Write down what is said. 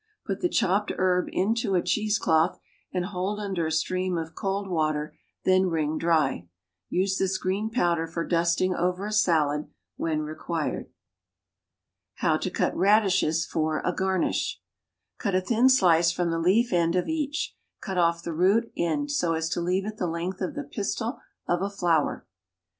Put the chopped herb into a cheese cloth and hold under a stream of cold water, then wring dry. Use this green powder for dusting over a salad when required. =How to Cut Radishes for a Garnish.= Cut a thin slice from the leaf end of each; cut off the root end so as to leave it the length of the pistil of a flower.